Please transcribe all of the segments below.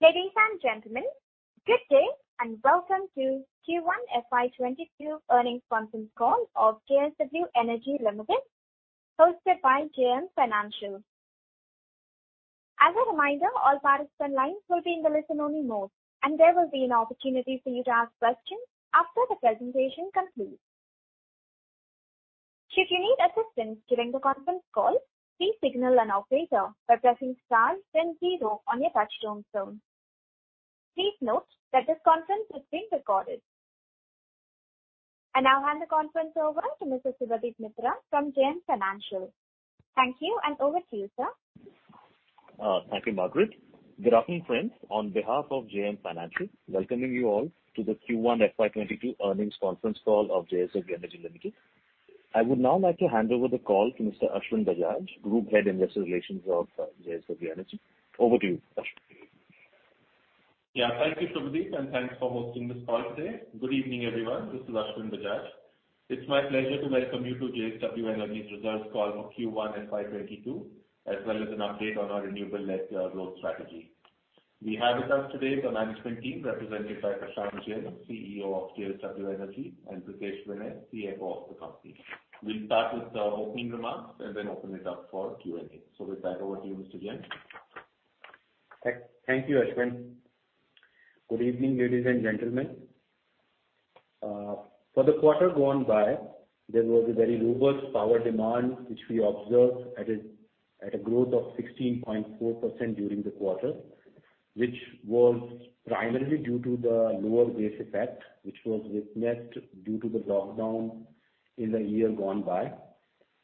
Ladies and gentlemen, good day, and welcome to Q1 FY 2022 earnings conference call of JSW Energy Limited, hosted by JM Financial. As a reminder, all participants' lines will be in the listen-only mode, and there will be an opportunity for you to ask questions after the presentation concludes. Should you need assistance during the conference call, please signal an operator by pressing star then zero on your touchtone phone. Please note that this conference is being recorded. I now hand the conference over to Mr. Subhadeep Mitra from JM Financial. Thank you, and over to you, sir. Thank you, Margaret. Good afternoon, friends. On behalf of JM Financial, welcoming you all to the Q1 FY22 earnings conference call of JSW Energy Limited. I would now like to hand over the call to Mr. Ashwin Bajaj, Group Head, Investor Relations of JSW Energy. Over to you, Ashwin. Yeah. Thank you, Subhadeep, and thanks for hosting this call today. Good evening, everyone. This is Ashwin Bajaj. It's my pleasure to welcome you to JSW Energy's results call for Q1 FY 2022, as well as an update on our renewable net growth strategy. We have with us today the management team represented by Prashant Jain, CEO of JSW Energy, and Pritesh Vinay, CFO of the company. We'll start with the opening remarks and then open it up for Q&A. With that, over to you, Mr. Jain. Thank you, Ashwin. Good evening, ladies and gentlemen. For the quarter gone by, there was a very robust power demand, which we observed at a growth of 16.4% during the quarter, which was primarily due to the lower base effect, which was witnessed due to the lockdown in the year gone by,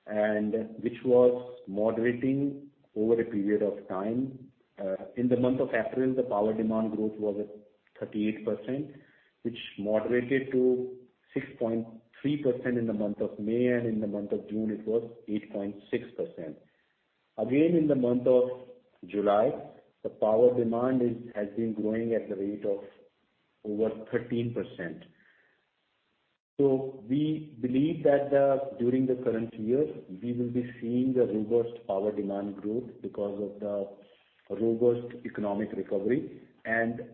and which was moderating over a period of time. In the month of April, the power demand growth was at 38%, which moderated to 6.3% in the month of May. In the month of June, it was 8.6%. Again, in the month of July, the power demand has been growing at the rate of over 13%. We believe that during the current year, we will be seeing the robust power demand growth because of the robust economic recovery and lower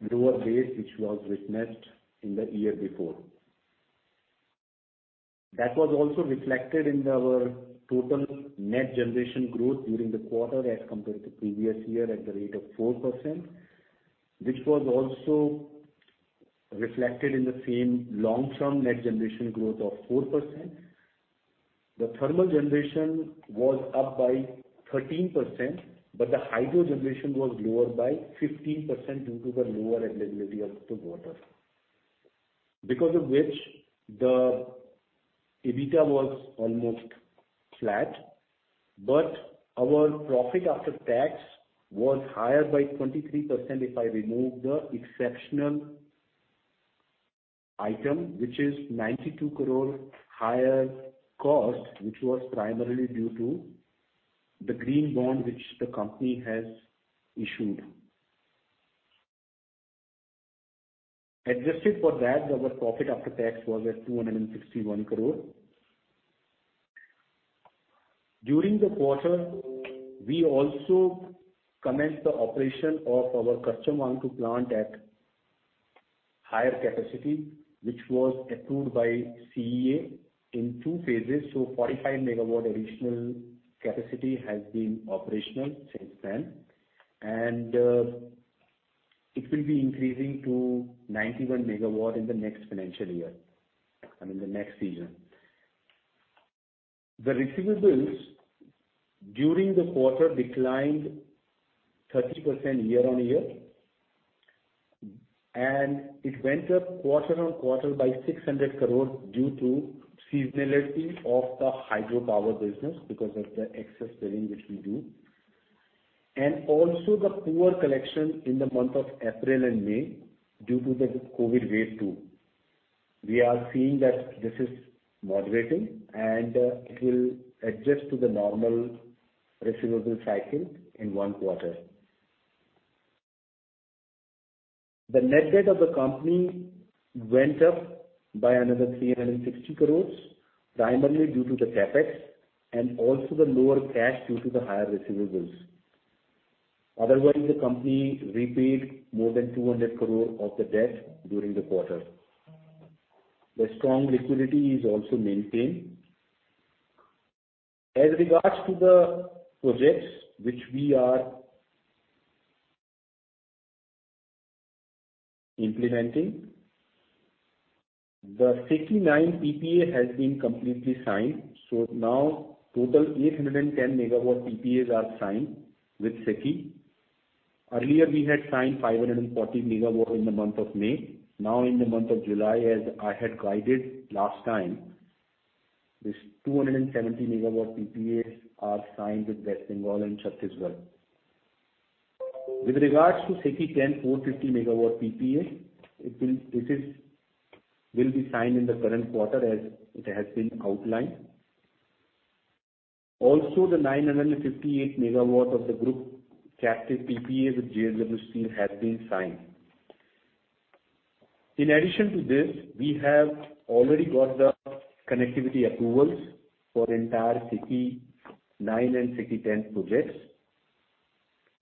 base, which was witnessed in the year before. That was also reflected in our total net generation growth during the quarter as compared to previous year at the rate of 4%, which was also reflected in the same long-term net generation growth of 4%. The thermal generation was up by 13%, but the hydro generation was lower by 15% due to the lower availability of the water. Because of which the EBITDA was almost flat, but our profit after tax was higher by 23% if I remove the exceptional item, which is 92 crore higher cost, which was primarily due to the green bond which the company has issued. Adjusted for that, our profit after tax was at 261 crore. During the quarter, we also commenced the operation of our Karcham Wangtoo plant at higher capacity, which was approved by CEA in 2 phases. 45 MW additional capacity has been operational since then, and it will be increasing to 91 MW in the next financial year, I mean the next season. The receivables during the quarter declined 30% year-on-year. It went up quarter-on-quarter by 600 crore due to seasonality of the hydropower business because of the excess selling which we do. Also the poor collection in the month of April and May due to the COVID wave two. We are seeing that this is moderating, and it will adjust to the normal receivable cycle in two quarter. The net debt of the company went up by another 360 crore, primarily due to the CapEx and also the lower cash due to the higher receivables. Otherwise, the company repaid more than 200 crore of the debt during the quarter. The strong liquidity is also maintained. As regards to the projects which we are implementing, the SECI 9 PPA has been completely signed. Now total 810 megawatt PPAs are signed with SECI. Earlier, we had signed 540 megawatt in the month of May. Now in the month of July, as I had guided last time, this 270 megawatt PPAs are signed with West Bengal and Chhattisgarh. With regards to SECI X, 450 megawatt PPA, it will be signed in the current quarter as it has been outlined. The 958 megawatt of the group captive PPA with JSW Steel has been signed. In addition to this, we have already got the connectivity approvals for entire SECI nine and SECI X projects.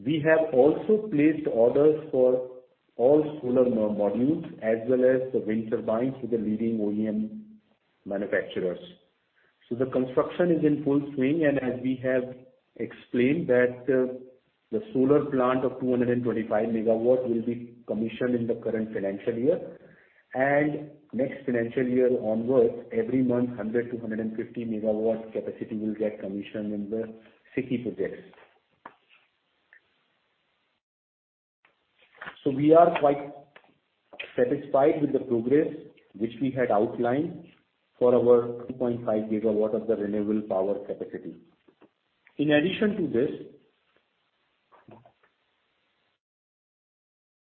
We have also placed orders for all solar modules as well as the wind turbines to the leading OEM manufacturers. The construction is in full swing, and as we have explained that the solar plant of 225 MW will be commissioned in the current financial year. Next financial year onwards, every month, 100-150 MW capacity will get commissioned in the SECI projects. We are quite satisfied with the progress which we had outlined for our 2.5 GW of the renewable power capacity. In addition to this,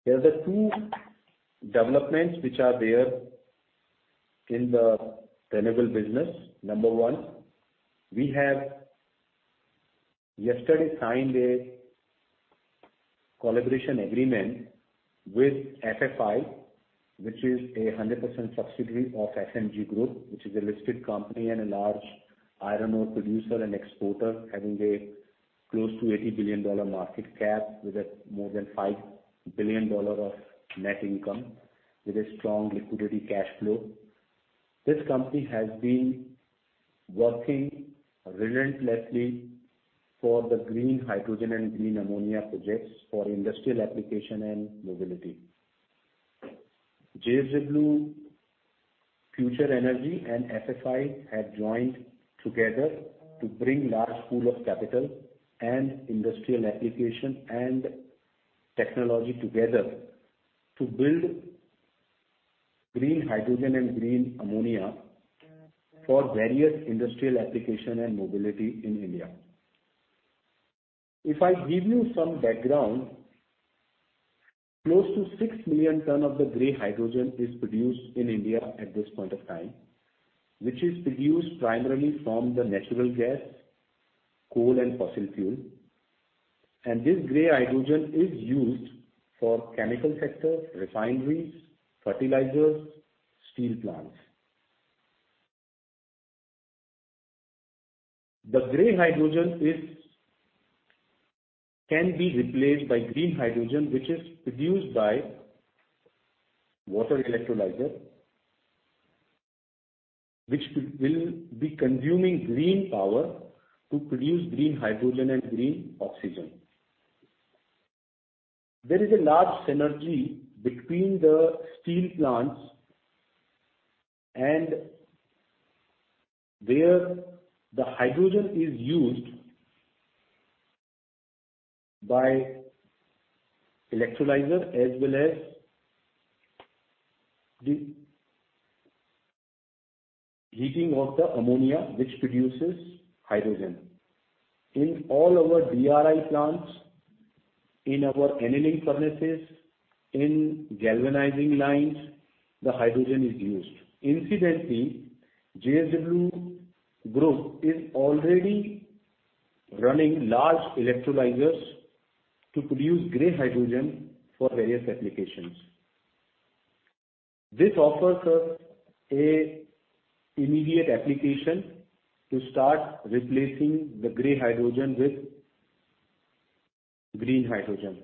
there are the two developments which are there in the renewable business. Number one, we have yesterday signed a collaboration agreement with FFI, which is a 100% subsidiary of FMG Group, which is a listed company and a large iron ore producer and exporter, having a close to INR 80 billion market cap with a more than INR 5 billion of net income, with a strong liquidity cash flow. This company has been working relentlessly for the green hydrogen and green ammonia projects for industrial application and mobility. JSW Future Energy and FFI have joined together to bring large pool of capital and industrial application and technology together to build green hydrogen and green ammonia for various industrial application and mobility in India. If I give you some background, close to 6 million tonnes of the grey hydrogen is produced in India at this point of time, which is produced primarily from the natural gas, coal, and fossil fuel. This grey hydrogen is used for chemical sector, refineries, fertilizers, steel plants. The grey hydrogen can be replaced by green hydrogen, which is produced by water electrolyzer, which will be consuming green power to produce green hydrogen and green oxygen. There is a large synergy between the steel plants and where the hydrogen is used by electrolyzer as well as the heating of the ammonia, which produces hydrogen. In all our DRI plants, in our annealing furnaces, in galvanizing lines, the hydrogen is used. Incidentally, JSW Group is already running large electrolyzers to produce grey hydrogen for various applications. This offers us an immediate application to start replacing the grey hydrogen with green hydrogen.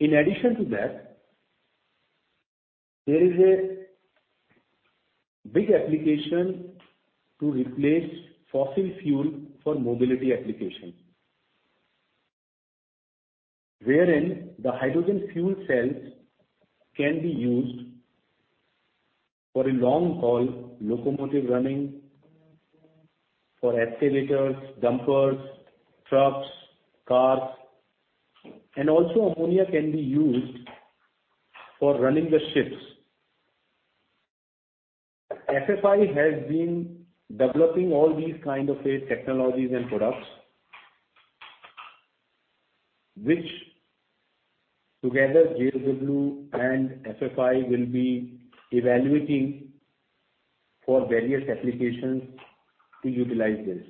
In addition to that, there is a big application to replace fossil fuel for mobility applications, wherein the hydrogen fuel cells can be used for a long-haul locomotive running, for excavators, dumpers, trucks, cars, and also ammonia can be used for running the ships. FFI has been developing all these kind of technologies and products, which together JSW and FFI will be evaluating for various applications to utilize this.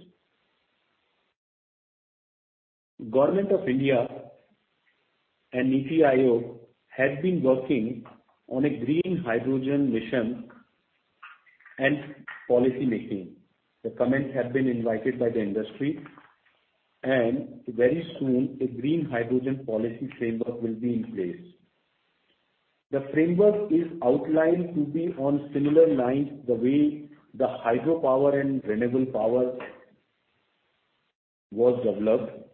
Government of India and NEPIO have been working on a green hydrogen mission and policy making. The comments have been invited by the industry. Very soon, a green hydrogen policy framework will be in place. The framework is outlined to be on similar lines the way the hydropower and renewable power was developed,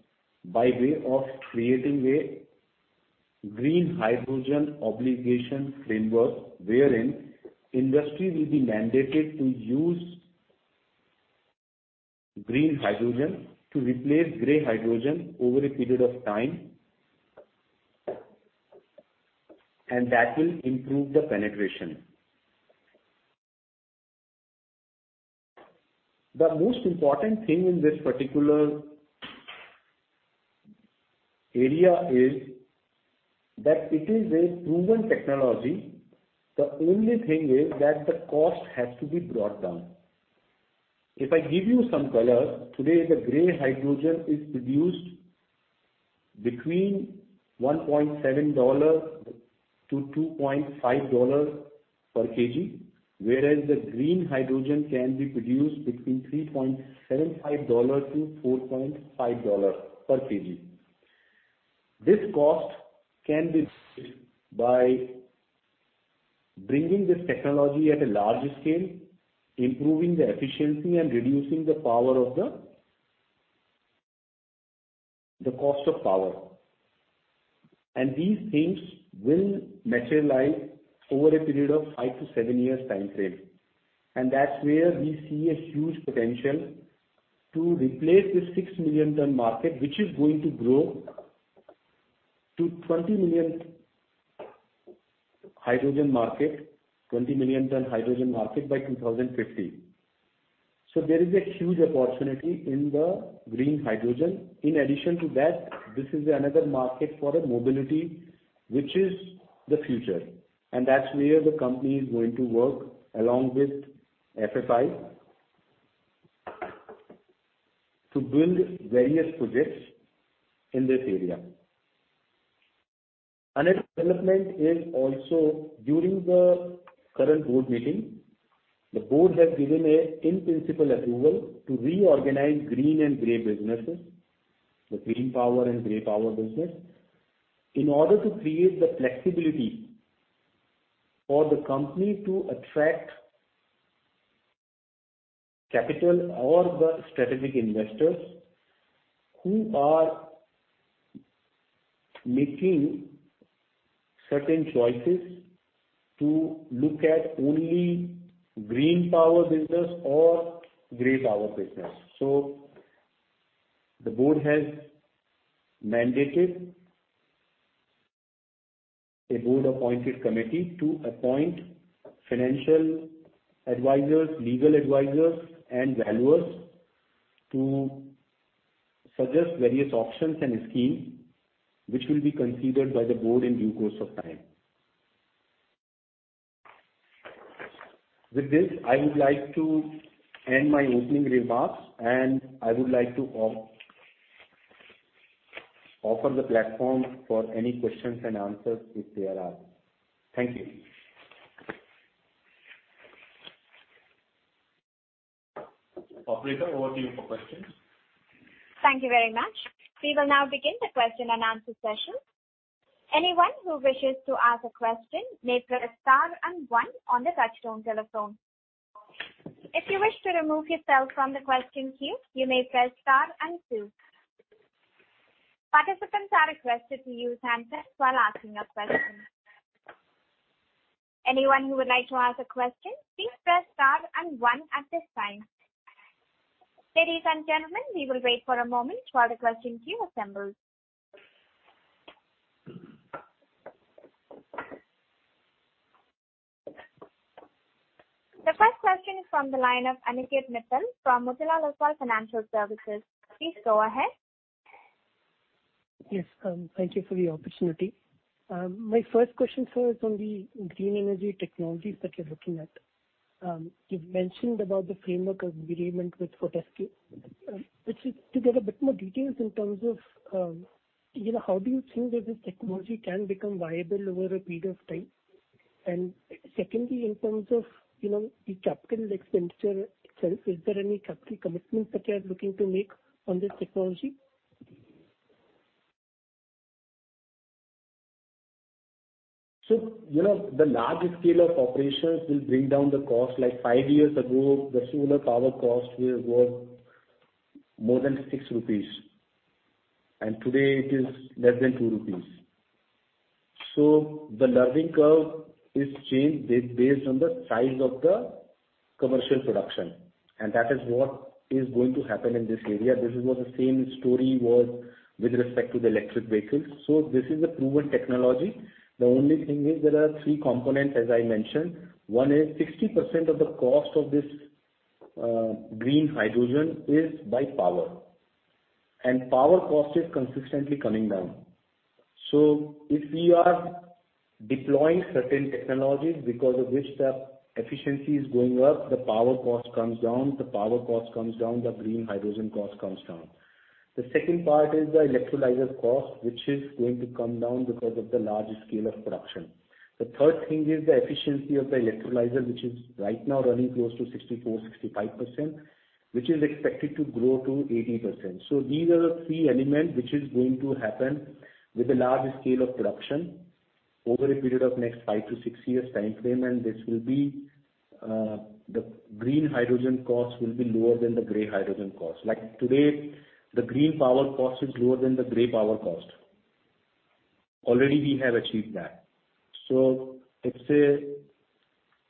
by way of creating a green hydrogen obligation framework wherein industry will be mandated to use green hydrogen to replace grey hydrogen over a period of time. That will improve the penetration. The most important thing in this particular area is that it is a proven technology. The only thing is that the cost has to be brought down. If I give you some color, today, the grey hydrogen is produced between $1.7 to $2.5 per kg, whereas the green hydrogen can be produced between $3.75 to $4.5 per kg. This cost can be by bringing this technology at a large scale, improving the efficiency, and reducing the cost of power. These things will materialize over a period of five to seven years time frame. That's where we see a huge potential to replace the 6 million ton market, which is going to grow to 20 million ton hydrogen market by 2050. There is a huge opportunity in the green hydrogen. In addition to that, this is another market for mobility, which is the future. That's where the company is going to work along with FFI to build various projects in this area. Another development is also during the current board meeting, the board has given an in-principle approval to reorganize green and grey businesses, the green power and grey power business, in order to create the flexibility for the company to attract capital or the strategic investors who are making certain choices to look at only green power business or grey power business. The board has mandated a board-appointed committee to appoint financial advisors, legal advisors, and valuers to suggest various options and schemes, which will be considered by the board in due course of time. With this, I would like to end my opening remarks, and I would like to offer the platform for any questions and answers if there are. Thank you. Operator, over to you for questions. Thank you very much. We will now begin the question and answer session. Anyone who wishes to ask a question may press star and one on the touchtone telephone. If you wish to remove yourself from the question queue, you may press star and two. Participants are requested to use handsets while asking a question. Anyone who would like to ask a question, please press star and one at this time. Ladies and gentlemen, we will wait for a moment while the question queue assembles. The first question is from the line of Aniket Mittal from Motilal Oswal Financial Services. Please go ahead. Yes. Thank you for the opportunity. My first question, sir, is on the green energy technologies that you're looking at. You've mentioned about the framework of agreement with Fortescue. To get a bit more details in terms of how do you think that this technology can become viable over a period of time? Secondly, in terms of the capital expenditure itself, is there any capital commitment that you are looking to make on this technology? The larger scale of operations will bring down the cost. Like five years ago, the solar power cost was more than 6 rupees, and today it is less than 2 rupees. The learning curve is changed based on the size of the commercial production, and that is what is going to happen in this area. This is what the same story was with respect to the electric vehicles. This is a proven technology. The only thing is there are three components, as I mentioned. One is 60% of the cost of this green hydrogen is by power, and power cost is consistently coming down. If we are deploying certain technologies because of which the efficiency is going up, the power cost comes down. If the power cost comes down, the green hydrogen cost comes down. The second part is the electrolyzer cost, which is going to come down because of the large scale of production. The third thing is the efficiency of the electrolyzer, which is right now running close to 64% to 65%, which is expected to grow to 80%. These are the three elements which is going to happen with a large scale of production over a period of next five to six years time frame, and the green hydrogen cost will be lower than the grey hydrogen cost. Like today, the green power cost is lower than the grey power cost. Already we have achieved that.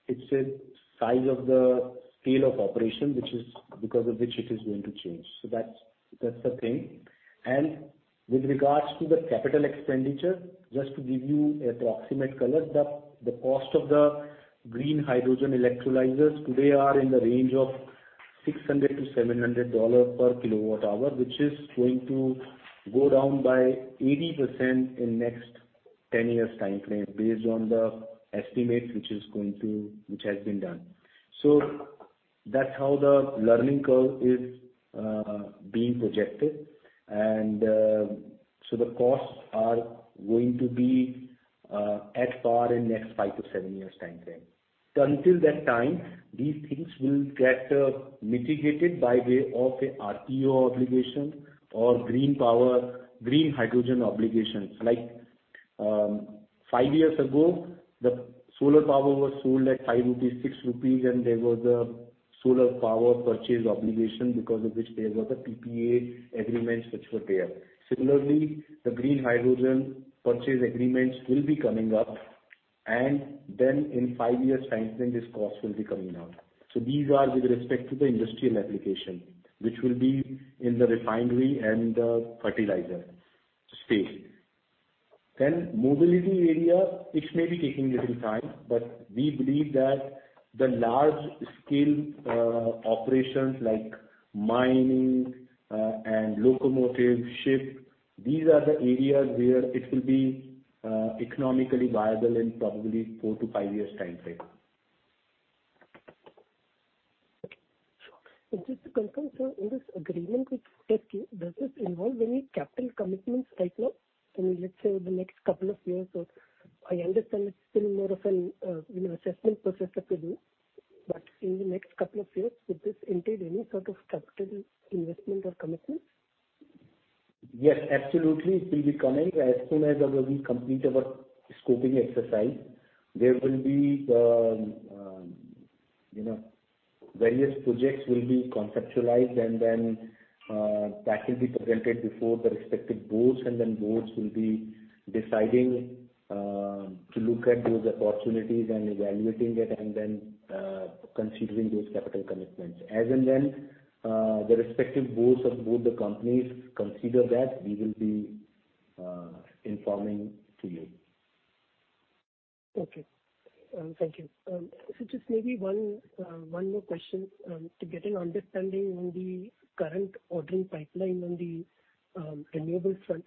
It's the size of the scale of operation, because of which it is going to change. That's the thing. With regards to the capital expenditure, just to give you approximate colors, the cost of the green hydrogen electrolyzers today are in the range of $600 to $700 per kilowatt hour, which is going to go down by 80% in next 10 years timeframe based on the estimates which has been done. That's how the learning curve is being projected. The costs are going to be at par in next five to seven years timeframe. Until that time, these things will get mitigated by way of a RPO obligation or green power, green hydrogen obligations. Like five years ago, the solar power was sold at 5 rupees, 6 rupees, and there was a solar power purchase obligation because of which there was a PPA agreements which were there. The green hydrogen purchase agreements will be coming up, and then in five years' time frame, this cost will be coming out. These are with respect to the industrial application, which will be in the refinery and the fertilizer space. Mobility area, it may be taking little time, but we believe that the large scale operations like mining and locomotive, ship, these are the areas where it will be economically viable in probably four to five years' time frame. Just to confirm, sir, in this agreement with SECI, does this involve any capital commitments right now in, let's say, the next couple of years? I understand it's still more of an assessment process that you do. But in the next couple of years, would this entail any sort of capital investment or commitment? Yes, absolutely. It will be coming. As soon as we complete our scoping exercise, various projects will be conceptualized and then that will be presented before the respective boards, and then boards will be deciding to look at those opportunities and evaluating it and then considering those capital commitments. As and when the respective boards of both the companies consider that, we will be informing to you. Okay. Thank you. Sir, just maybe one more question to get an understanding on the current ordering pipeline on the renewables front.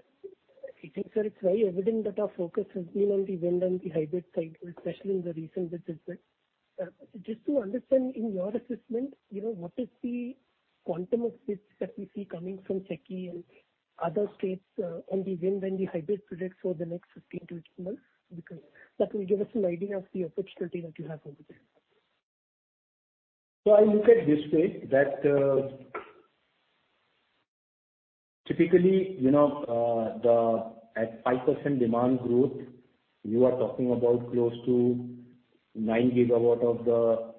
I think, sir, it's very evident that our focus has been on the wind and the hybrid side, especially in the recent bids as well. Just to understand, in your assessment, what is the quantum of bids that we see coming from SECI and other states on the wind and the hybrid projects for the next 15 to 18 months? Because that will give us an idea of the opportunity that you have over there. I look at it this way, that typically, at 5% demand growth, you are talking about close to 9 GW of the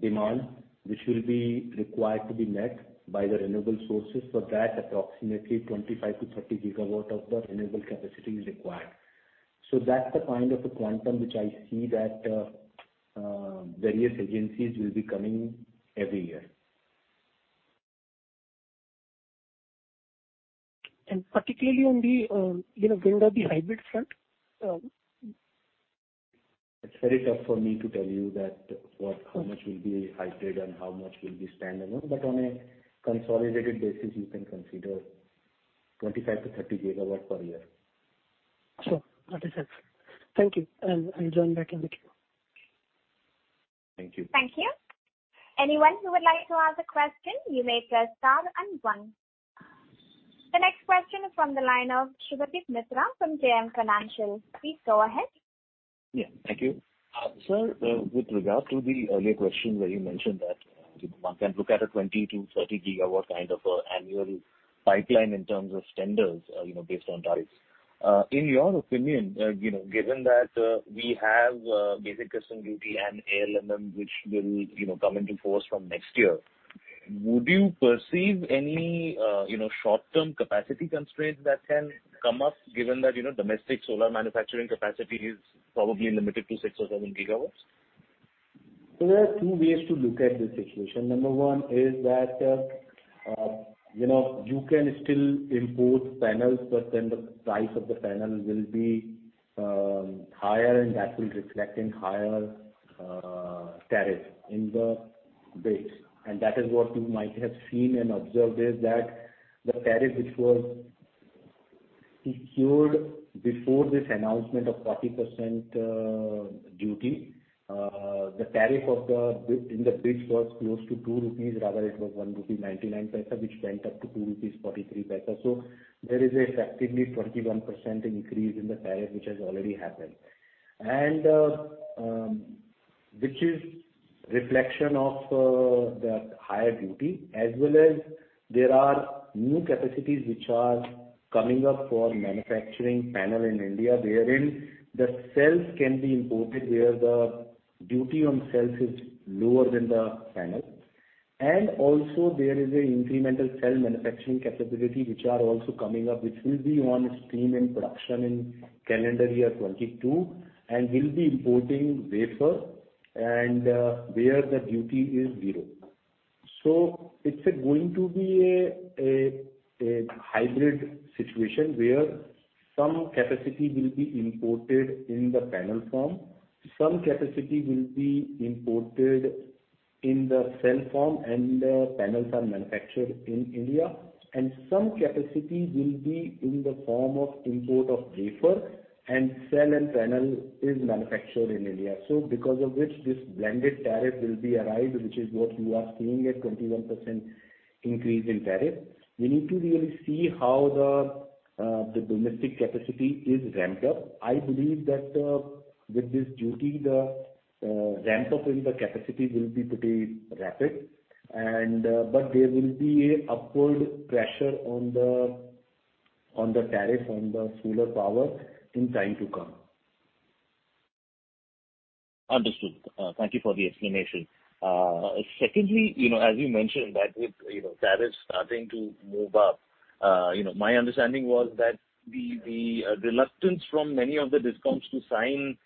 demand, which will be required to be met by the renewable sources. For that, approximately 25 to 30 GW of the renewable capacity is required. That's the kind of a quantum which I see that various agencies will be coming every year. Particularly on the wind and the hybrid front? It's very tough for me to tell you that how much will be hybrid and how much will be standalone. On a consolidated basis, you can consider 25 to 30GW per year. Sure. That is it. Thank you. I'll join back in the queue. Thank you. Thank you. Anyone who would like to ask a question, you may press star 1. The next question is from the line of Subhadeep Mitra from JM Financial. Please go ahead. Thank you. Sir, with regard to the earlier question where you mentioned that one can look at a 20 to 30 gigawatt kind of annual pipeline in terms of tenders based on tariffs. In your opinion, given that we have Basic Customs Duty and ALMM, which will come into force from next year, would you perceive any short-term capacity constraints that can come up given that domestic solar manufacturing capacity is probably limited to 6 or 7GW? There are two ways to look at this situation. Number one is that you can still import panels, the price of the panel will be higher, and that will reflect in higher tariff in the bids. That is what you might have seen and observed, is that the tariff which was secured before this announcement of 40% duty, the tariff in the bids was close to 2 rupees, rather it was 1.99 rupee, which went up to 2.43 rupees. There is effectively 21% increase in the tariff, which has already happened, and which is reflection of that higher duty. As well as there are new capacities which are coming up for manufacturing panel in India, wherein the cells can be imported where the duty on cells is lower than the panel. Also there is an incremental cell manufacturing capability, which are also coming up, which will be on stream in production in calendar year 2022 and will be importing wafer and where the duty is zero. It's going to be a hybrid situation where some capacity will be imported in the panel form, some capacity will be imported in the cell form and panels are manufactured in India, and some capacity will be in the form of import of wafer and cell and panel is manufactured in India. Because of which this blended tariff will be arrived, which is what you are seeing, a 21% increase in tariff. We need to really see how the domestic capacity is ramped up. I believe that with this duty, the ramp up in the capacity will be pretty rapid. There will be a upward pressure on the tariff on the solar power in time to come. Understood. Thank you for the explanation. Secondly, as you mentioned, that with tariffs starting to move up, my understanding was that the reluctance from many of the DISCOMs to sign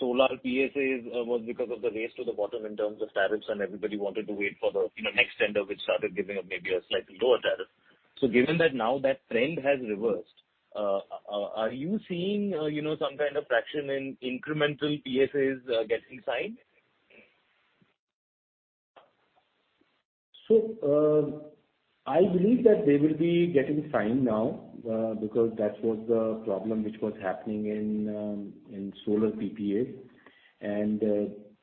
solar PPAs was because of the race to the bottom in terms of tariffs, and everybody wanted to wait for the next tender, which started giving maybe a slightly lower tariff. Given that now that trend has reversed, are you seeing some kind of traction in incremental PPAs getting signed? I believe that they will be getting signed now because that was the problem which was happening in solar PPA.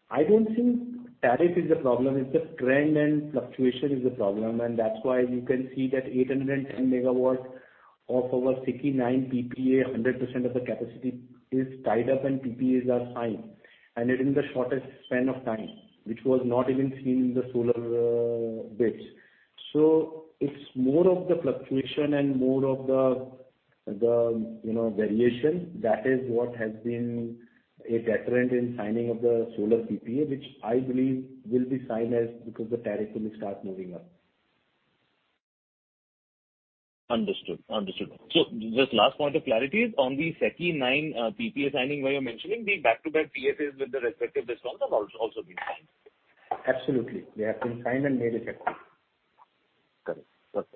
I don't think tariff is the problem, it's the trend and fluctuation is the problem. That's why you can see that 810 MW of our SECI-9 PPA, 100% of the capacity is tied up and PPAs are signed, and it in the shortest span of time, which was not even seen in the solar bids. It's more of the fluctuation and more of the variation. That is what has been a deterrent in signing of the solar PPA, which I believe will be signed as because the tariff will start moving up. Understood. Just last point of clarity is on the SECI-9 PPA signing, where you're mentioning the back-to-back PPAs with the respective DISCOMs have also been signed. Absolutely. They have been signed and made effective. Correct.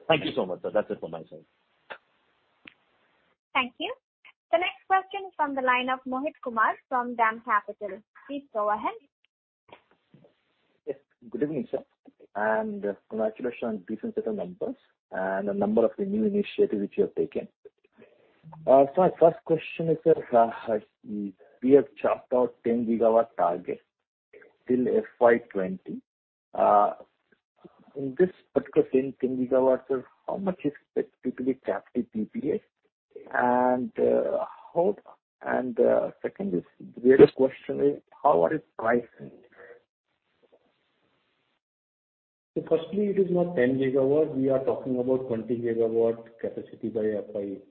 Thank you so much, sir. That's it from my side. Thank you. The next question from the line of Mohit Kumar from DAM Capital. Please go ahead. Yes. Good evening, sir, congratulations on decent set of numbers and a number of the new initiatives which you have taken. My first question is, sir, you have chalked out 10 gigawatt target till FY 2020. In this particular 10GW, how much is typically captive PPA? Second is, related question is, how are its pricing? Firstly, it is not 10 gigawatt. We are talking about 20 gigawatt capacity by FY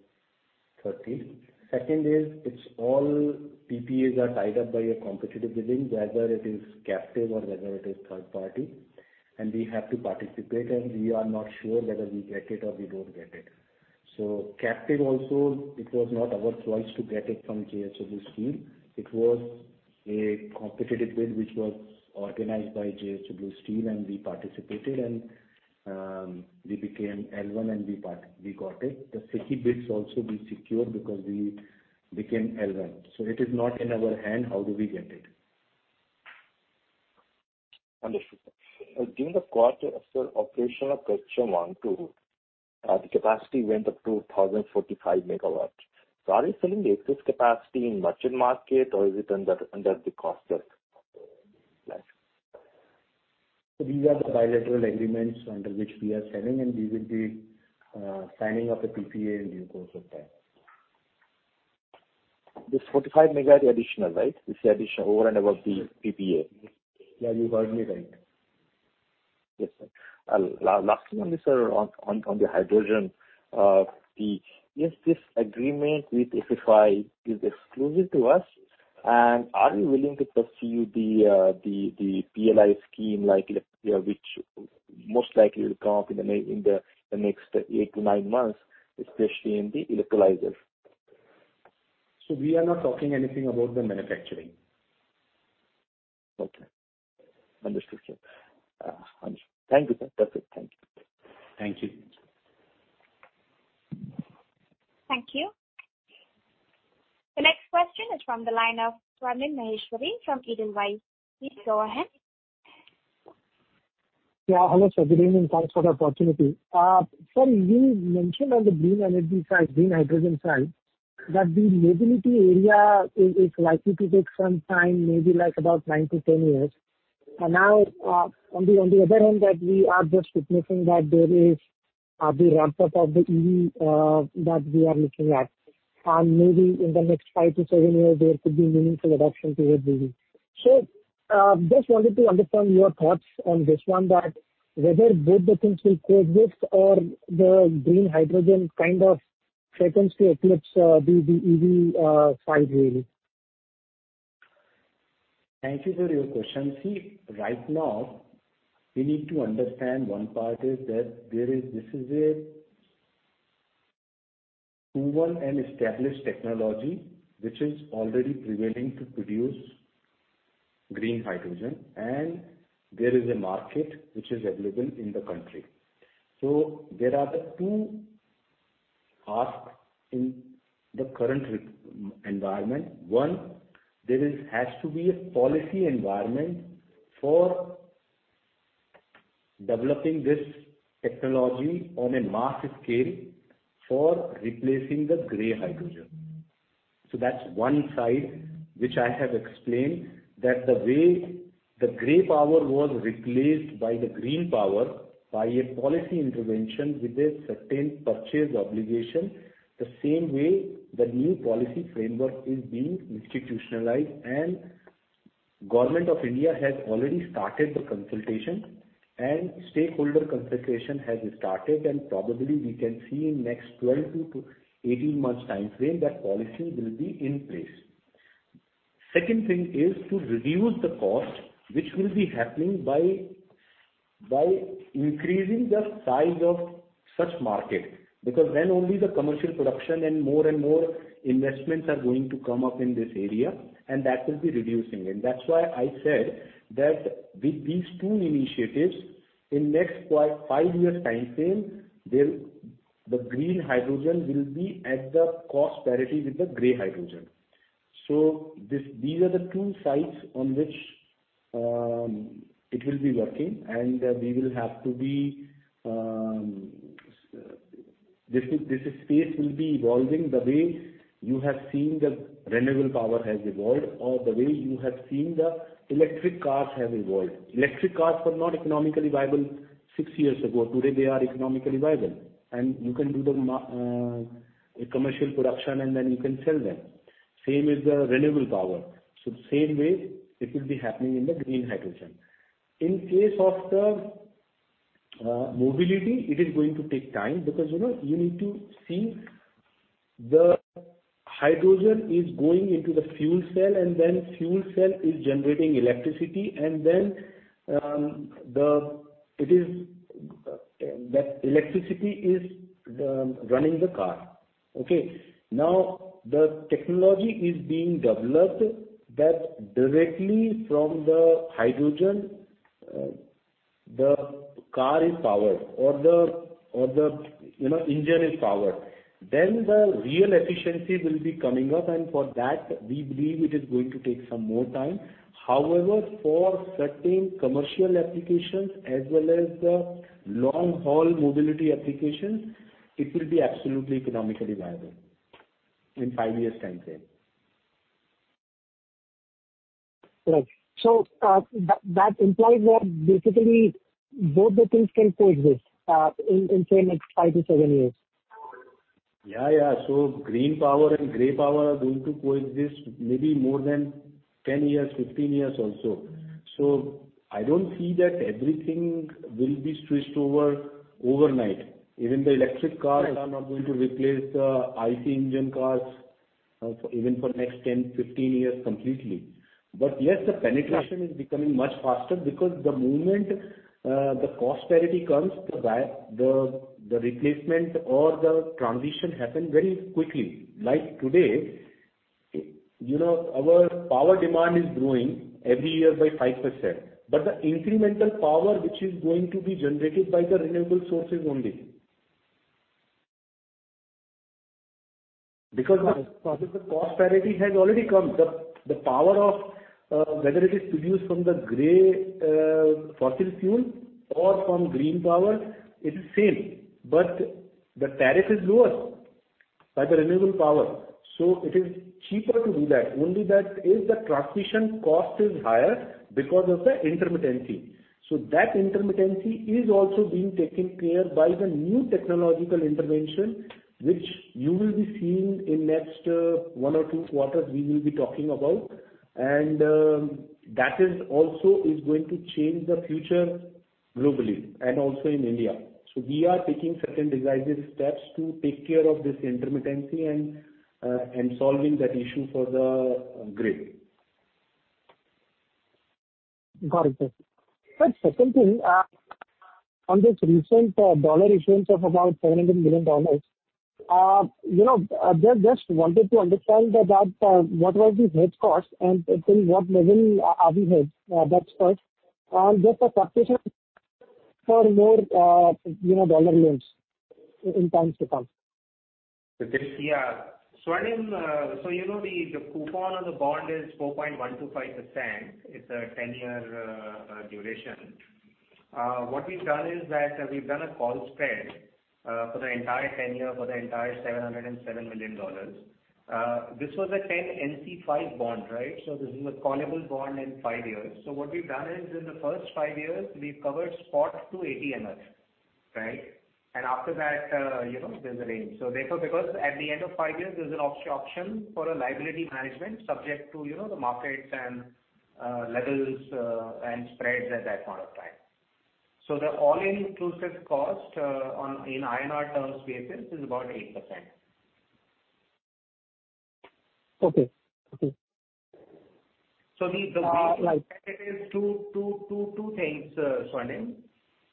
2030. Second is, it's all PPAs are tied up by a competitive bidding, whether it is captive or whether it is third party. We have to participate, and we are not sure whether we get it or we don't get it. Captive also, it was not our choice to get it from JSW Steel. It was a competitive bid which was organized by JSW Steel, and we participated, and we became L1 and we got it. The SECI bids also we secured because we became L1. It is not in our hand how do we get it. Understood. During the quarter, sir, operational capacity went up to 1,045 MW. Are you selling the excess capacity in merchant market? These are the bilateral agreements under which we are selling, and we will be signing of the PPA in due course of time. This 45 MW is additional, right? It's the additional over and above the PPA. Yeah, you heard me right. Yes, sir. Lastly on this, sir, on the hydrogen. Is this agreement with FFI is exclusive to us? Are you willing to pursue the PLI scheme which most likely will come up in the next eight to nine months, especially in the electrolyzers? We are not talking anything about the manufacturing. Okay. Understood, sir. Thank you, sir. That's it. Thank you. Thank you. Thank you. The next question is from the line of Pravin Maheshwari from Edelweiss. Please go ahead. Yeah. Hello, sir. Good evening. Thanks for the opportunity. Sir, you mentioned on the green energy side, green hydrogen side, that the mobility area is likely to take some time, maybe like about nine to 10 years. Now on the other hand, that we are just witnessing that there is the ramp up of the EV that we are looking at. Maybe in the next nine to seven years, there could be meaningful adoption towards EV. Just wanted to understand your thoughts on this one, that whether both the things will co-exist or the green hydrogen kind of threatens to eclipse the EV side really. Thank you for your question. See, right now we need to understand one part is that this is a proven and established technology which is already prevailing to produce green hydrogen. There is a market which is available in the country. There are the two asks in the current environment. One, there has to be a policy environment for developing this technology on a mass scale for replacing the gray hydrogen. That's one side, which I have explained, that the way the gray power was replaced by the green power, by a policy intervention with a certain purchase obligation, the same way the new policy framework is being institutionalized, and Government of India has already started the consultation and stakeholder consultation has started, and probably we can see in next 12 to 18 months time frame, that policy will be in place. Second thing is to reduce the cost, which will be happening by increasing the size of such market. Then only the commercial production and more and more investments are going to come up in this area, and that will be reducing it. That's why I said that with these two initiatives in next five-year time frame, the green hydrogen will be at the cost parity with the gray hydrogen. These are the two sides on which it will be working. This space will be evolving the way you have seen the renewable power has evolved or the way you have seen the electric cars have evolved. Electric cars were not economically viable six years ago. Today, they are economically viable, and you can do the commercial production and then you can sell them. Same as the renewable power. The same way it will be happening in the green hydrogen. In case of the mobility, it is going to take time because you need to see the hydrogen is going into the fuel cell, and then fuel cell is generating electricity, and then that electricity is running the car. Okay. Now the technology is being developed that directly from the hydrogen, the car is powered or the engine is powered. The real efficiency will be coming up, and for that, we believe it is going to take some more time. However, for certain commercial applications as well as the long-haul mobility applications, it will be absolutely economically viable in five years' time frame. Right. That implies that basically both the things can co-exist in, say, next five to seven years. Green power and gray power are going to co-exist maybe more than 10 years, 15 years also. I don't see that everything will be switched over overnight. Even the electric cars are not going to replace the IC engine cars even for next 10, 15 years completely. Yes, the penetration is becoming much faster because the moment the cost parity comes, the replacement or the transition happen very quickly. Like today, our power demand is growing every year by 5%. The incremental power which is going to be generated by the renewable source is only because the cost parity has already come. Whether it is produced from the gray fossil fuel or from green power, it is same, but the tariff is lower by the renewable power, so it is cheaper to do that. Only that if the transmission cost is higher because of the intermittency. That intermittency is also being taken care by the new technological intervention, which you will be seeing in next one or two quarters, we will be talking about. That is also is going to change the future globally and also in India. We are taking certain decisive steps to take care of this intermittency and solving that issue for the grid. Got it. Second thing, on this recent dollar issuance of about $700 million, I just wanted to understand that what was the hedge cost, and till what level are we hedged? That's first. Just a clarification for more dollar loans in times to come. Yeah. Swarnim, you know the coupon on the bond is 4.125%. It's a 10-year duration. What we've done is that we've done a call spread for the entire 10-year, for the entire $707 million. This was a 10 NC 5 bond, right? This is a callable bond in five years. What we've done is, in the first five years, we've covered spot to 80%. Right? After that, there's a range. Therefore, because at the end of five years, there's an option for a liability management subject to the markets and levels and spreads at that point of time. The all-inclusive cost in INR terms basis is about 8%. Okay. The reason it is two things, Pravin.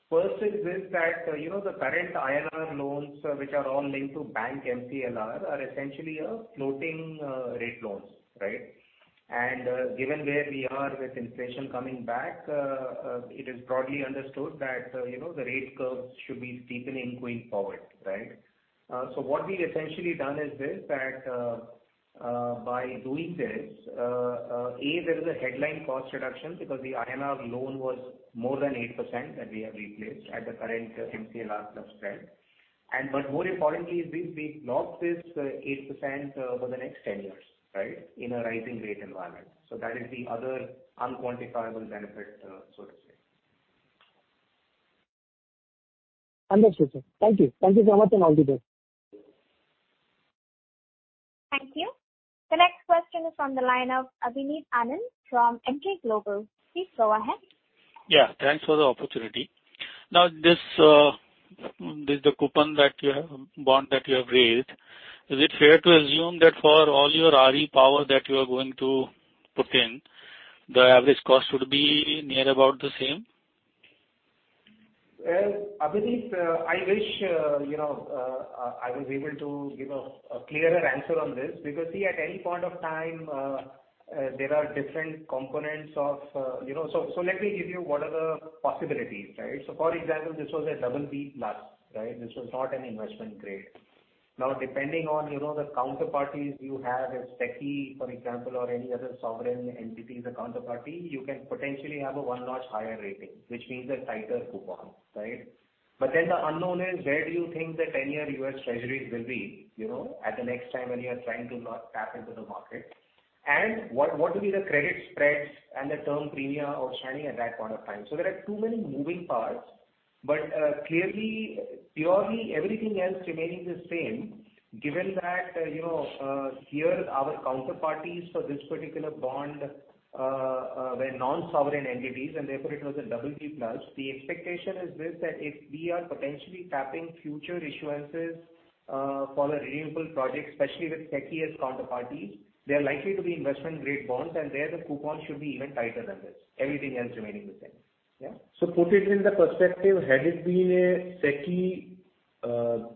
First is with that, the current INR loans, which are all linked to bank MCLR, are essentially a floating rate loans. Right? Given where we are with inflation coming back, it is broadly understood that the rate curves should be steepening going forward. Right? What we've essentially done is this, that by doing this, A, there is a headline cost reduction because the INR loan was more than 8% that we have replaced at the current MCLR plus spread. More importantly is this, we've locked this 8% for the next 10 years, in a rising rate environment. That is the other unquantifiable benefit, so to say. Understood, sir. Thank you. Thank you so much for the opportunity. Thank you. The next question is from the line of Abhinav Anand from Emkay Global. Please go ahead. Yeah. Thanks for the opportunity. This coupon bond that you have raised, is it fair to assume that for all your RE power that you are going to put in, the average cost would be near about the same? Well, Abhinav, I wish I was able to give a clearer answer on this, because, see, at any point of time, there are different components. Let me give you what are the possibilities. For example, this was a BB+, this was not an investment grade. Now, depending on the counterparties you have, if SECI, for example, or any other sovereign entity is a counterparty, you can potentially have a 1-notch higher rating, which means a tighter coupon. Right? The unknown is where do you think the 10-year U.S. Treasury will be, at the next time when you are trying to tap into the market. What will be the credit spreads and the term premia outstanding at that point of time. There are too many moving parts, but clearly, purely everything else remaining the same, given that here our counterparties for this particular bond were non-sovereign entities, and therefore it was a BB+. The expectation is this, that if we are potentially tapping future issuances for a renewable project, especially with SECI as counterparties, they are likely to be investment-grade bonds, and there the coupon should be even tighter than this. Everything else remaining the same. Put it in the perspective, had it been a SECI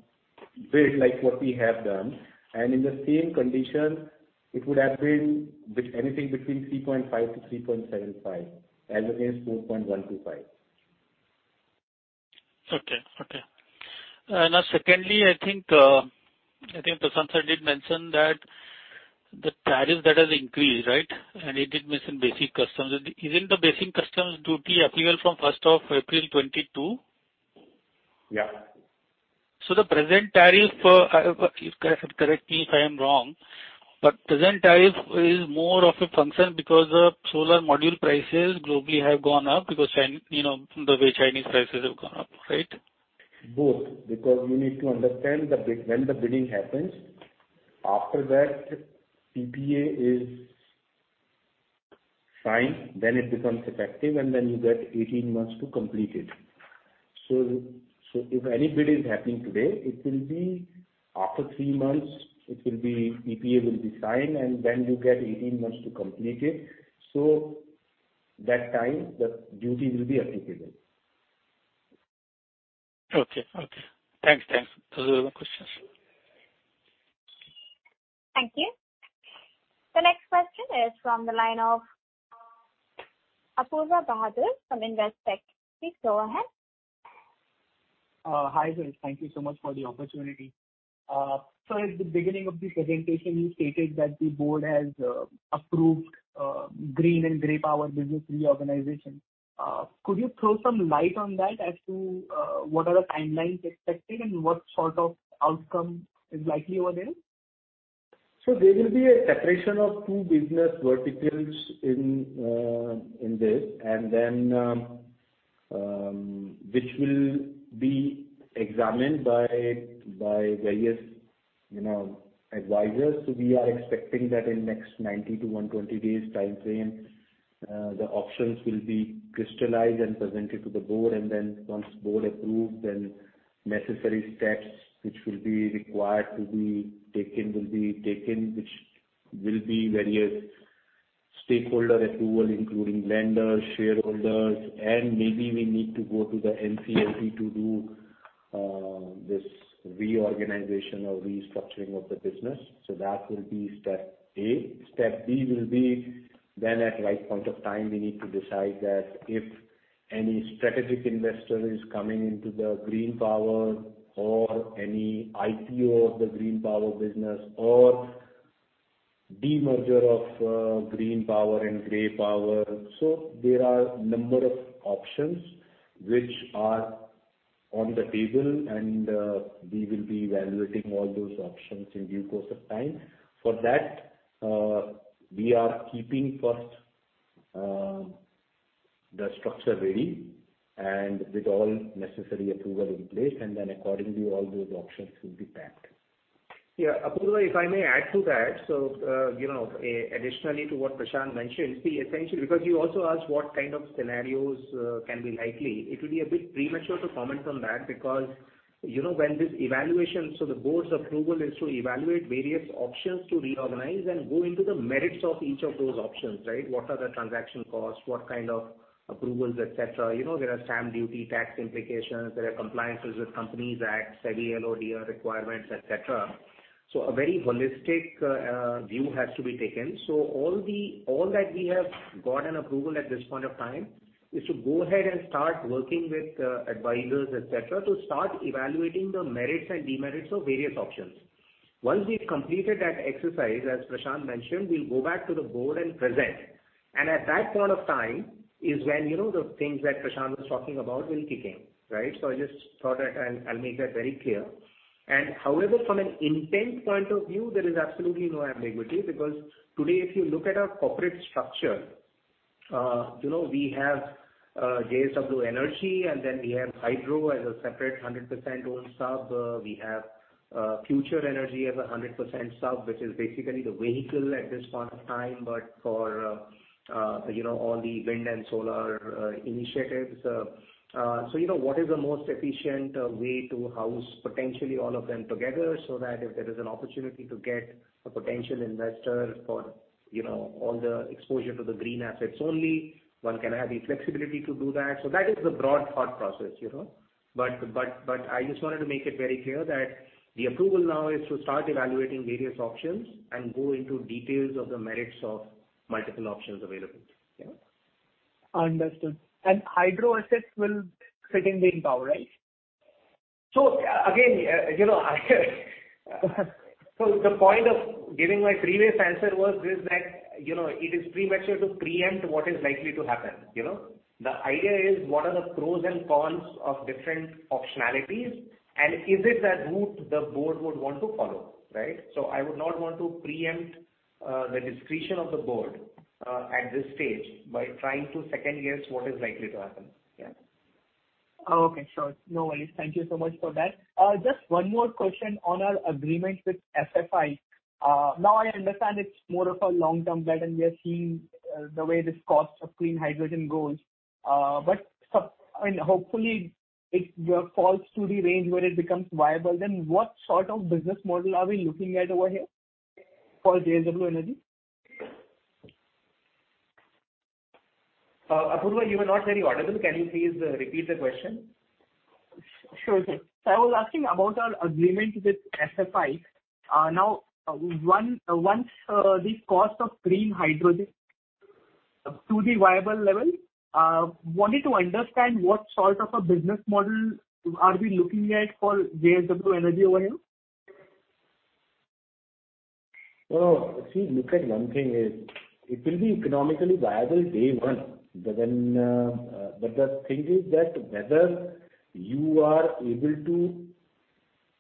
bid like what we have done, and in the same condition, it would have been anything between 3.5-3.75 as against 4.125. Okay. Now, secondly, I think Prashant sir did mention that the tariff that has increased, right? He did mention Basic Customs. Isn't the Basic Customs Duty applicable from 1st of April 2022? Yeah. The present tariff, correct me if I am wrong, but present tariff is more of a concern because the solar module prices globally have gone up because the way Chinese prices have gone up, right? Both, you need to understand when the bidding happens. After that PPA is signed, it becomes effective, you get 18 months to complete it. If any bidding is happening today, it will be after three months, PPA will be signed, you get 18 months to complete it. That time, the duty will be applicable. Okay. Thanks. Those are the questions. Thank you. The next question is from the line of Apoorva Bahadur from Investec. Please go ahead. Hi there. Thank you so much for the opportunity. Sir, at the beginning of the presentation, you stated that the board has approved green and grey power business reorganization. Could you throw some light on that as to what are the timelines expected and what sort of outcome is likely over there? There will be a separation of two business verticals in this, and then which will be examined by various advisors. We are expecting that in next 90 to 120 days timeframe, the options will be crystallized and presented to the board. Once board approves, then necessary steps which will be required to be taken will be taken, which will be various stakeholder approval, including lenders, shareholders, and maybe we need to go to the NCLT to do this reorganization or restructuring of the business. That will be step A. Step B will be then at right point of time, we need to decide that if any strategic investor is coming into the green power or any IPO of the green power business or demerger of green power and grey power. There are number of options which are on the table, and we will be evaluating all those options in due course of time. For that, we are keeping first the structure ready and with all necessary approval in place, and then accordingly all those options will be packed. Yeah. Apoorva, if I may add to that. Additionally to what Prashant mentioned, see, essentially because you also asked what kind of scenarios can be likely. It will be a bit premature to comment on that because when this evaluation, the board's approval is to evaluate various options to reorganize and go into the merits of each of those options, right? What are the transaction costs? What kind of approvals, et cetera? There are stamp duty, tax implications. There are compliances with Companies Act, SEBI, LODR requirements, et cetera. A very holistic view has to be taken. All that we have got an approval at this point of time is to go ahead and start working with advisors, et cetera, to start evaluating the merits and demerits of various options. Once we've completed that exercise, as Prashant mentioned, we'll go back to the board and present. At that point of time is when the things that Prashant was talking about will kick in. I just thought that I'll make that very clear. However, from an intent point of view, there is absolutely no ambiguity, because today, if you look at our corporate structure, we have JSW Energy, and then we have Hydro as a separate 100% owned sub. We have Future Energy as 100% sub, which is basically the vehicle at this point of time, but for all the wind and solar initiatives. What is the most efficient way to house potentially all of them together, so that if there is an opportunity to get a potential investor for all the exposure to the green assets, only one can have the flexibility to do that. That is the broad thought process. I just wanted to make it very clear that the approval now is to start evaluating various options and go into details of the merits of multiple options available. Understood. Hydro assets will fit in the power, right? Again, the point of giving my previous answer was this, that it is premature to preempt what is likely to happen. The idea is, what are the pros and cons of different optionalities, and is it the route the board would want to follow? I would not want to preempt the discretion of the board, at this stage, by trying to second-guess what is likely to happen. Okay, sure. No worries. Thank you so much for that. Just one more question on our agreement with FFI. I understand it's more of a long-term bet and we are seeing the way this cost of clean hydrogen goes. Hopefully it falls to the range where it becomes viable. What sort of business model are we looking at over here for JSW Energy? Apoorva, you were not very audible. Can you please repeat the question? Sure thing. I was asking about our agreement with FFI. Once this cost of green hydrogen to the viable level, wanted to understand what sort of a business model are we looking at for JSW Energy over here? See, look at one thing, is it will be economically viable day one. The thing is that whether you are able to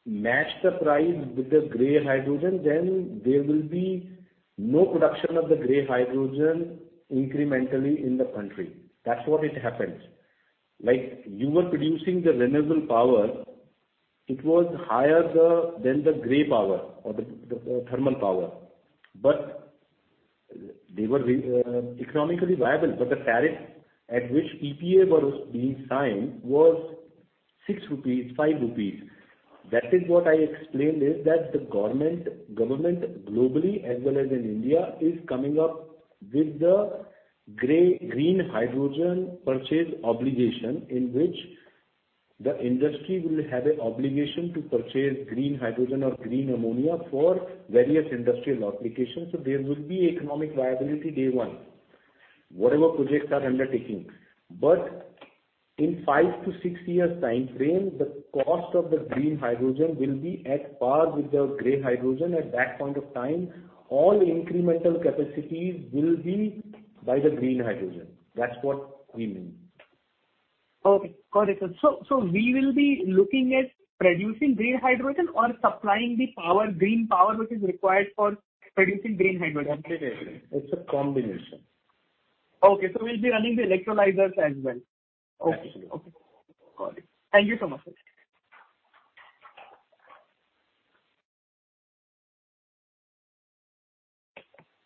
match the price with the grey hydrogen, then there will be no production of the grey hydrogen incrementally in the country. That's what it happens. You were producing the renewable power, it was higher than the gray power or the thermal power. They were economically viable. The tariff at which PPA were being signed was 6 rupees, 5 rupees. That is what I explained is that the government globally as well as in India, is coming up with the green hydrogen purchase obligation, in which the industry will have an obligation to purchase green hydrogen or green ammonia for various industrial applications. There will be economic viability day one, whatever projects are undertaking. In five to six years timeframe, the cost of the green hydrogen will be at par with the grey hydrogen. At that point of time, all incremental capacities will be by the green hydrogen. That's what we mean. Okay, got it, sir. We will be looking at producing green hydrogen or supplying the green power which is required for producing green hydrogen. Absolutely. It's a combination. Okay, we'll be running the electrolyzers as well. Absolutely. Okay, got it. Thank you so much.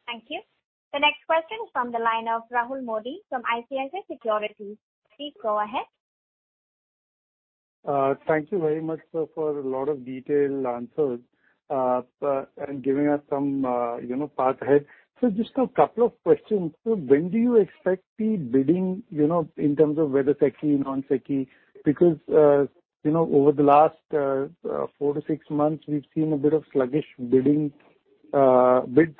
Thank you. The next question is from the line of Rahul Mody from ICICI Securities. Please go ahead. Thank you very much, sir, for a lot of detailed answers, and giving us some path ahead. Just a couple of questions. When do you expect the bidding in terms of whether SECI, non-SECI? Over the last 4 to 6 months, we've seen a bit of sluggish bids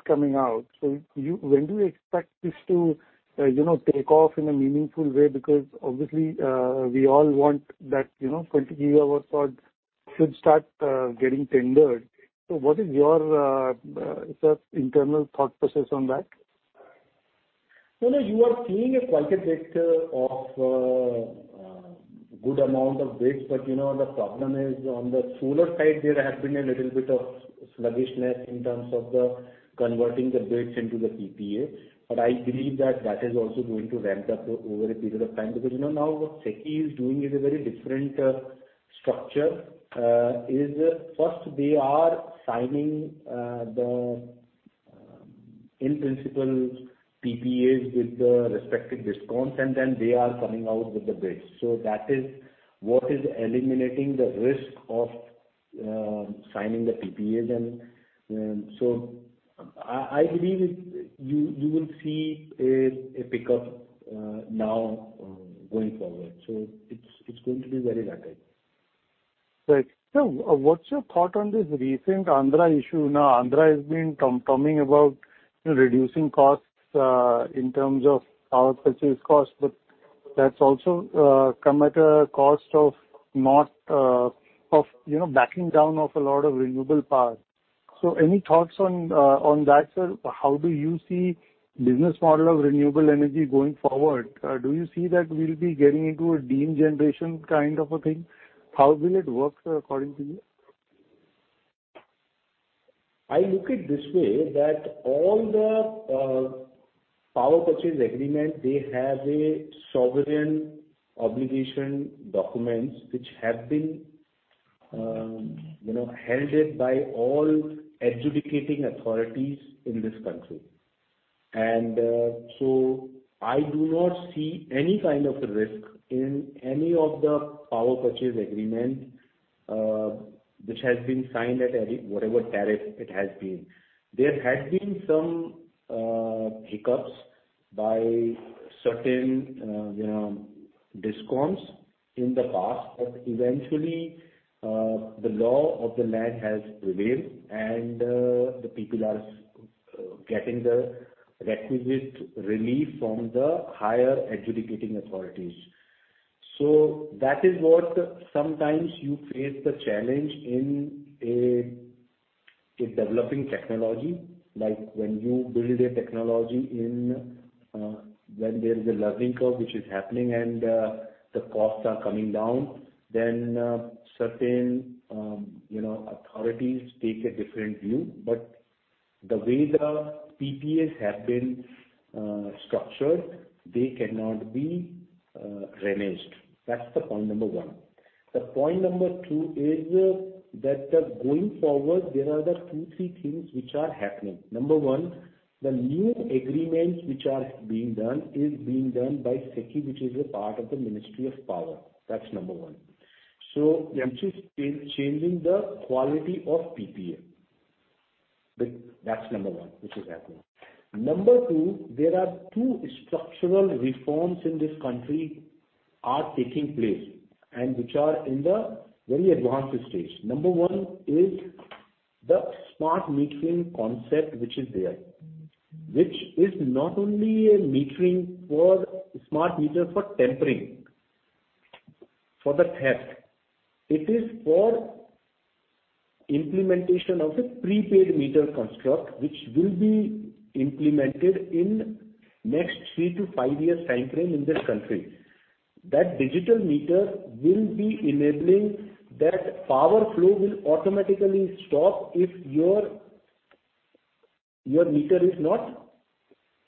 coming out. When do you expect this to take off in a meaningful way? Obviously, we all want that 20 gigawatt should start getting tendered. What is your, sir, internal thought process on that? You are seeing a quite a bit of good amount of bids. The problem is on the solar side, there has been a little bit of sluggishness in terms of the converting the bids into the PPAs. I believe that is also going to ramp up over a period of time, because now what SECI is doing is a very different structure. Is first they are signing the in-principle PPAs with the respective DISCOMs, and then they are coming out with the bids. That is what is eliminating the risk of signing the PPAs. I believe you will see a pickup now going forward. It's going to be very rapid. Right. Sir, what's your thought on this recent Andhra issue? Andhra has been drumming about reducing costs in terms of power purchase costs, but that's also come at a cost of backing down of a lot of renewable power. Any thoughts on that, sir? How do you see business model of renewable energy going forward? Do you see that we'll be getting into a degeneration kind of a thing? How will it work, sir, according to you? I look it this way, that all the power purchase agreement, they have a sovereign obligation documents which have been held by all adjudicating authorities in this country. I do not see any kind of risk in any of the power purchase agreement which has been signed at whatever tariff it has been. There has been some hiccups by certain DISCOMs in the past, but eventually, the law of the land has prevailed, and the people are getting the requisite relief from the higher adjudicating authorities. That is what sometimes you face the challenge in a developing technology. Like when you build a technology, when there is a learning curve which is happening and the costs are coming down, then certain authorities take a different view. The way the PPAs have been structured, they cannot be reneged. That's the point number one. The point number two is that going forward, there are other two, three things which are happening. Number three, the new agreements which are being done is being done by SECI, which is a part of the Ministry of Power. That's number 1. Which is changing the quality of PPA. That's number 1, which is happening. Number 2, there are 2 structural reforms in this country are taking place and which are in the very advanced stage. Number 1 is the smart metering concept, which is there. Which is not only a smart meter for tempering, for the theft. It is for implementation of a prepaid meter construct, which will be implemented in next three to five-year time frame in this country. That digital meter will be enabling that power flow will automatically stop if your meter is not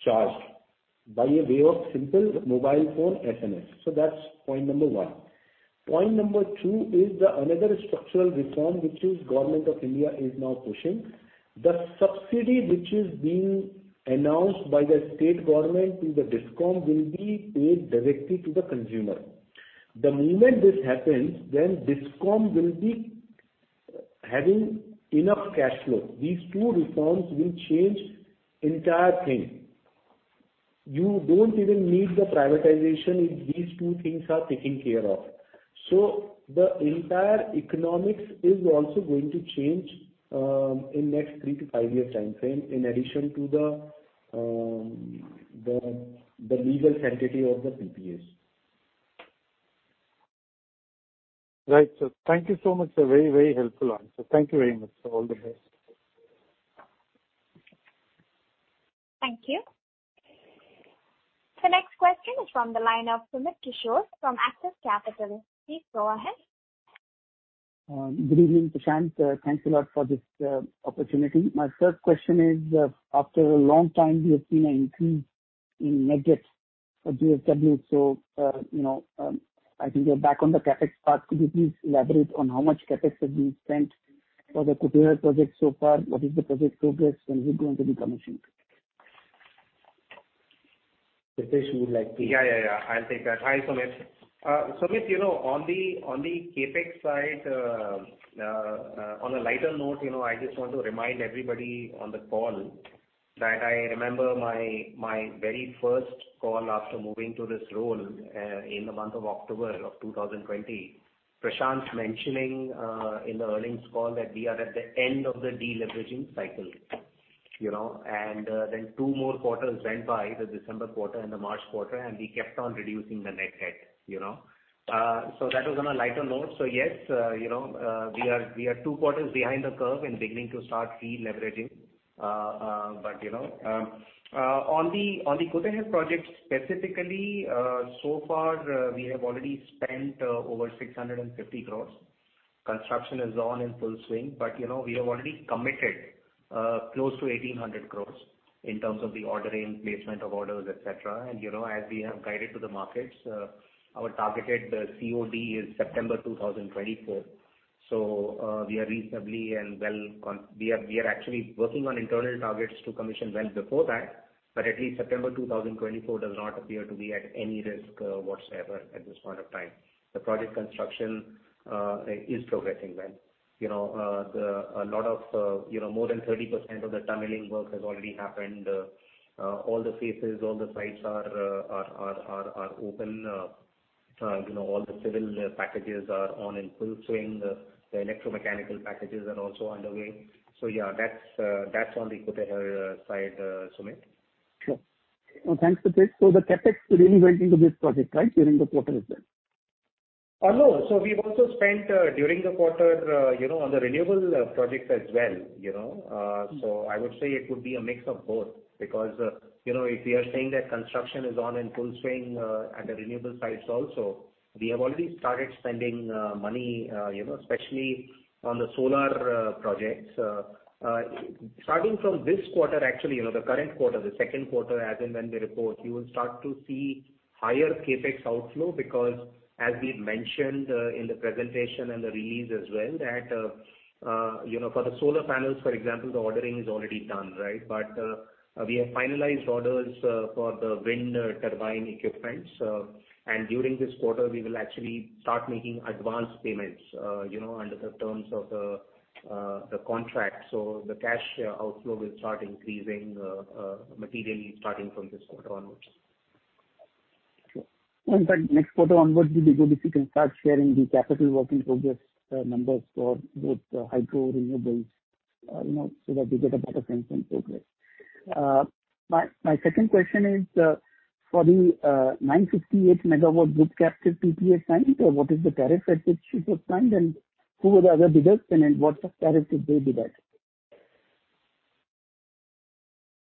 charged by a way of simple mobile phone SMS. That's point number 1. Point number 2 is the another structural reform, which is Government of India is now pushing. The subsidy which is being announced by the state government to the DISCOM will be paid directly to the consumer. The moment this happens, DISCOM will be having enough cash flow. These two reforms will change entire thing. You don't even need the privatization if these two things are taken care of. The entire economics is also going to change in next three to five-year time frame, in addition to the legal sanctity of the PPAs. Right, sir. Thank you so much, sir. Very, very helpful answer. Thank you very much, sir. All the best. Thank you. The next question is from the line of Sumit Kishore from Axis Capital. Please go ahead. Good evening, Prashant. Thanks a lot for this opportunity. My first question is, after a long time, we have seen an increase in net debt for JSW. I think we are back on the CapEx path. Could you please elaborate on how much CapEx have been spent for the Kutehr project so far? What is the project progress? When is it going to be commissioned? Pritesh, would you like to- Yeah. I'll take that. Hi, Sumit, on the CapEx side, on a lighter note, I just want to remind everybody on the call that I remember my very first call after moving to this role in the month of October 2020. Prashant's mentioning in the earnings call that we are at the end of the deleveraging cycle. Two more quarters went by, the December quarter and the March quarter, and we kept on reducing the net debt. That was on a lighter note. Yes, we are two quarters behind the curve and beginning to start deleveraging. On the Kutehr project specifically, so far we have already spent over 650 crores. Construction is on in full swing. We have already committed close to 1,800 crores in terms of the ordering, placement of orders, et cetera. As we have guided to the markets, our targeted COD is September 2024. We are actually working on internal targets to commission well before that, at least September 2024 does not appear to be at any risk whatsoever at this point of time. The project construction is progressing well. More than 30% of the tunneling work has already happened. All the phases, all the sites are open. All the civil packages are on in full swing. The electromechanical packages are also underway. Yeah, that's on the Kutehr side, Sumit. Sure. Thanks, Subhadeep Mitra. The CapEx really went into this project, right, during the quarter as well? No. We've also spent during the quarter on the renewable projects as well. I would say it could be a mix of both because, if we are saying that construction is on in full swing at the renewable sites also, we have already started spending money, especially on the solar projects. Starting from this quarter, actually, the current quarter, the second quarter as in when we report, you will start to see higher CapEx outflow because as we mentioned in the presentation and the release as well, that for the solar panels, for example, the ordering is already done. We have finalized orders for the wind turbine equipment. During this quarter, we will actually start making advance payments under the terms of the contract. The cash outflow will start increasing materially starting from this quarter onwards. Sure. In fact, next quarter onwards, it'll be good if you can start sharing the capital working progress numbers for both hydro renewables, so that we get a better sense on progress. My second question is, for the 958 MW group captive PPA signed, what is the tariff at which it was signed and who were the other bidders? What tariff did they bid at?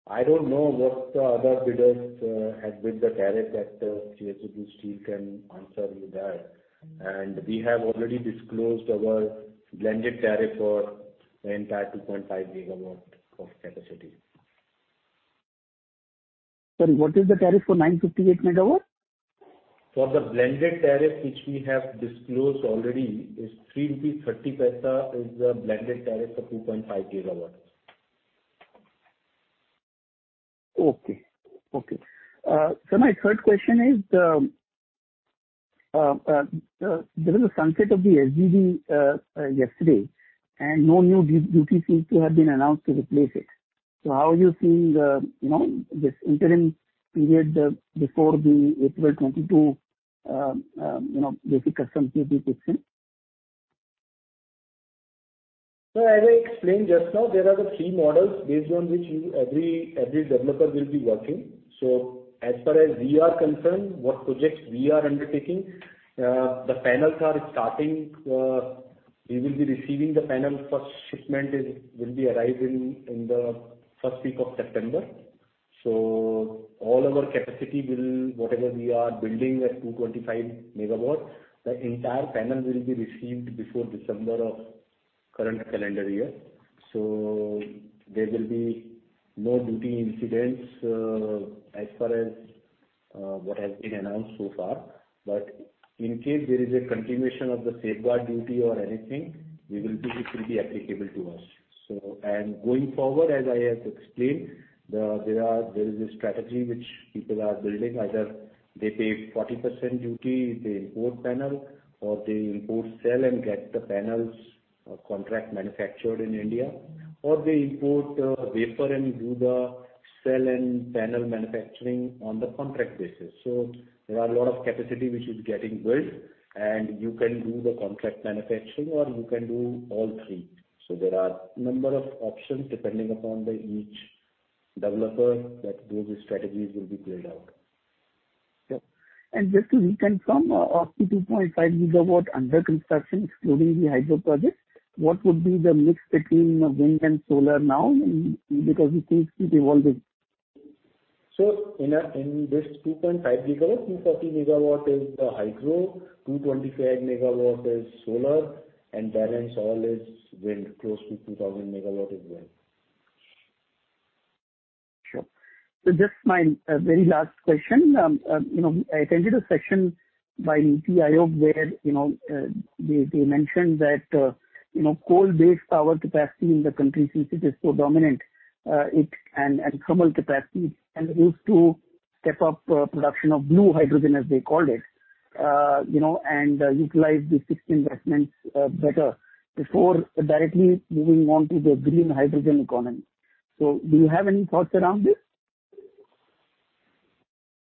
I don't know what the other bidders had bid the tariff. Dr. JSW Steel can answer you that. We have already disclosed our blended tariff for the entire 2.5GW Of capacity. Sorry, what is the tariff for 958 MW? For the blended tariff, which we have disclosed already, is 3.30 rupees is the blended tariff for 2.5 gigawatt. Okay. My third question is, there was a sunset of the SGD yesterday, and no new duty seems to have been announced to replace it. How are you seeing this interim period before the April 2022 Basic Customs Duty kicks in? As I explained just now, there are the three models based on which every developer will be working. As far as we are concerned, what projects we are undertaking, the panels are starting. We will be receiving the panels, first shipment will be arriving in the first week of September. All our capacity, whatever we are building at 225 MW, the entire panel will be received before December of current calendar year. There will be no duty incidents as far as what has been announced so far. In case there is a continuation of the Safeguard Duty or anything, we believe it will be applicable to us. Going forward, as I have explained, there is a strategy which people are building. Either they pay 40% duty, they import panel, or they import cell and get the panels contract manufactured in India. They import wafer and do the cell and panel manufacturing on the contract basis. There are a lot of capacity which is getting built, and you can do the contract manufacturing or you can do all three. There are a number of options depending upon the each developer that those strategies will be played out. Sure. Just to recap, from 2.5 GW under construction, excluding the hydro project, what would be the mix between wind and solar now? We think it evolves. In this 2.5 GW, 240 MW is the hydro, 225 MW is solar, and balance all is wind, close to 2,000 MW is wind. Sure. Just my very last question. I attended a session by NITI Aayog where they mentioned that coal-based power capacity in the country since it is so dominant, it and thermal capacity, and it is to step up production of blue hydrogen, as they called it, and utilize the fixed investments better before directly moving on to the green hydrogen economy. Do you have any thoughts around this?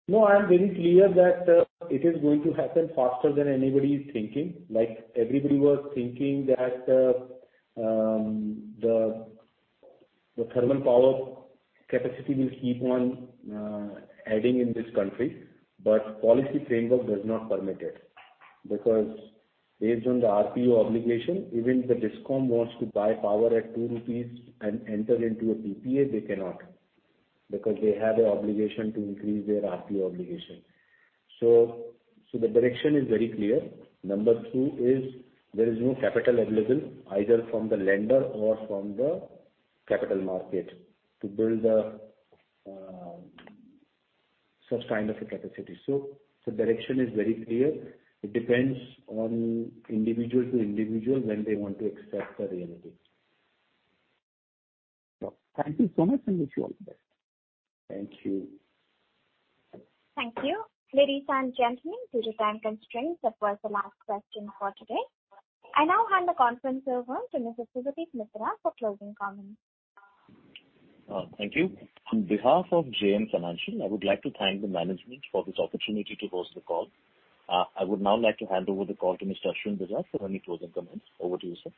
I am very clear that it is going to happen faster than anybody is thinking. Everybody was thinking that the thermal power capacity will keep on adding in this country. Policy framework does not permit it. Based on the RPO obligation, even if the DISCOM wants to buy power at 2 rupees and enter into a PPA, they cannot. They have an obligation to increase their RPO obligation. The direction is very clear. Number two is there is no capital available either from the lender or from the capital market to build such kind of a capacity. The direction is very clear. It depends on individual to individual when they want to accept the reality. Sure. Thank you so much, and wish you all the best. Thank you. Thank you. Ladies and gentlemen, due to time constraints, that was the last question for today. I now hand the conference over to Mr. Subhadeep Mitra for closing comments. Thank you. On behalf of JM Financial, I would like to thank the management for this opportunity to host the call. I would now like to hand over the call to Mr. Ashwin Bajaj for any closing comments. Over to you, sir.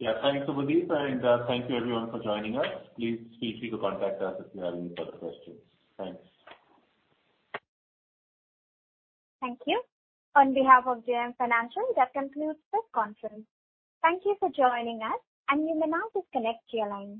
Yeah. Thanks, Pritesh, and thank you everyone for joining us. Please feel free to contact us if you have any further questions. Thanks. Thank you. On behalf of JM Financial, that concludes this conference. Thank you for joining us, and you may now disconnect your lines.